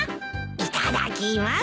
いただきます。